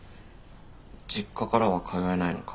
実家からは通えないのか。